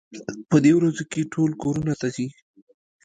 په دې ورځو کې ټول کورونو ته ځي.